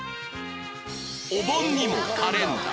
おぼんにもカレンダー